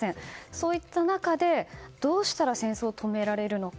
そういった中でどうしたら戦争を止められるのか。